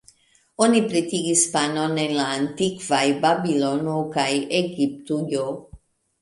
Oni pretigis panon en la antikvaj Babilono kaj Egiptujo.